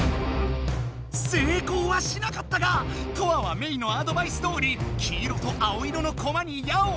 成功はしなかったがトアはメイのアドバイスどおり黄色と青色のコマに矢を当てていた！